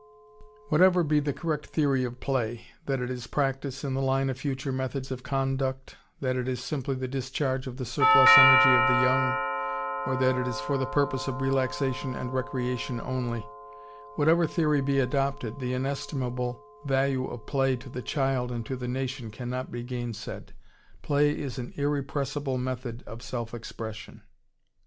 Whatever be the correct theory of play that it is practice in the line of future methods of conduct, that it is simply the discharge of the surplus energy of the young, or that it is for the purpose of relaxation and recreation only whatever theory be adopted, the inestimable value of play to the child and to the nation cannot be gainsaid. Play is an irrepressible method of self expression....